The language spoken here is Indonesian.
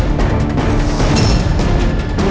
bukan putri mona